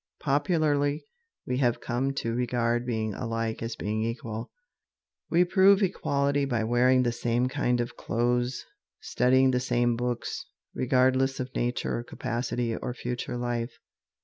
Popularly we have come to regard being alike as being equal. We prove equality by wearing the same kind of clothes, studying the same books, regardless of nature or capacity or future life.